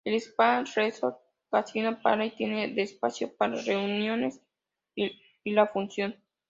El Spa Resort Casino Pala y tiene de espacio para reuniones y la función.